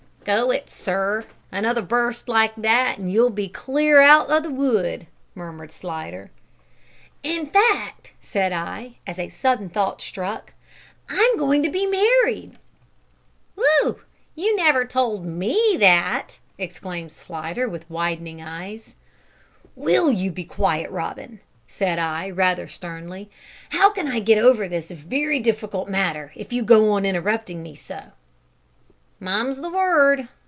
"Go it, sir! Another burst like that and you'll be clear out o' the wood," murmured Slidder. "In fact," said I, as a sudden thought struck, "I'm going to be married!" "Whew! you never told me that!" exclaimed Slidder, with widening eyes. "Will you be quiet, Robin?" said I, rather sternly; "how can I get over this very difficult matter if you go on interrupting me so?" "Mum's the word!"